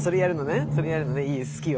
それやるのね好きよ